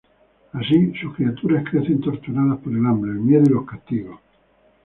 Así, sus criaturas crecen torturadas por el hambre, el miedo y los castigos.